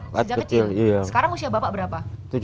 sejak kecil sekarang usia bapak berapa